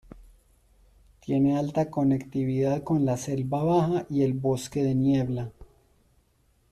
Tiene alta conectividad con la selva baja y el bosque de niebla.